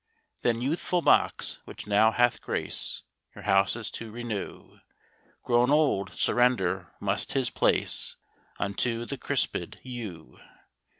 Then youthful box, which now hath grace Your houses to renew, Grown old, surrender must his place Unto the crisped yew.